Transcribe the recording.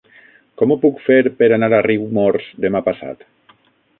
Com ho puc fer per anar a Riumors demà passat?